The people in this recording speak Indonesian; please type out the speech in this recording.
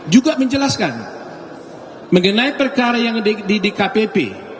juga menjelaskan mengenai perkara yang ada di dkpp